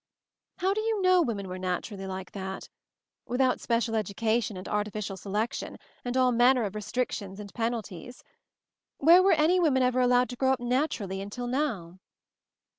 "How do you know women were 'nat urally' like that? — without special educa tion and artificial selection, and all manner of restrictions and penalties? Where were any women ever allowed to grow up 'nat urally' until now?"